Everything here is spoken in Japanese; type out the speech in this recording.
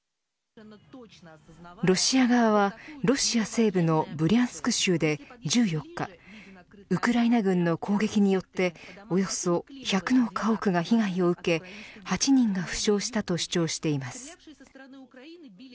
ロシア側はロシア西部のブリャンスク州で１４日ウクライナ軍の攻撃によっておよそ１００の家屋が被害を受け８人が負傷したと主張しています。